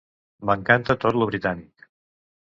M"encanta tot lo britànic.